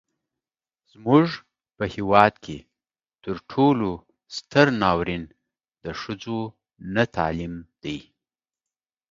زموږ په هیواد کې تر ټولو ستر ناورين د ښځو نه تعليم دی.